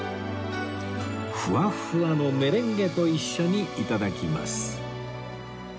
ふわふわのメレンゲと一緒に頂きます